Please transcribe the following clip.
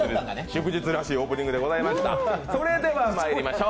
祝日らしいオープニングでございました。